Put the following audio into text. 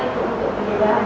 itu untuk pembayaran